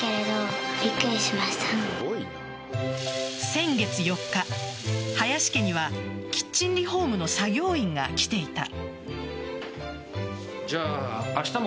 先月４日林家にはキッチンリフォームの作業員が来ていた。